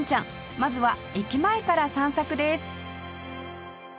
まずは駅前から散策です